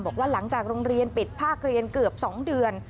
บอกว่าหลังจากโรงเรียนปิดภาคเรียนเกือบ๒เดือน